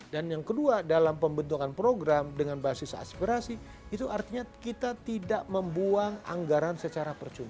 dan yang kedua dalam pembentukan program dengan basis aspirasi itu artinya kita tidak membuang anggaran secara percuma